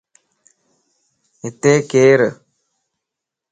ھتي ڪير؟